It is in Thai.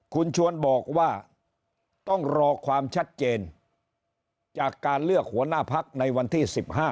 คุณชวนบอกว่าต้องรอความชัดเจนจากการเลือกหัวหน้าพักในวันที่๑๕